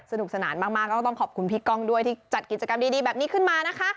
สนุกสนานมากก็ต้องขอบคุณพี่ก้องด้วยที่จัดกิจกรรมดีแบบนี้ขึ้นมานะคะ